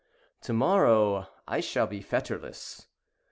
To morrow I shall be fetterless!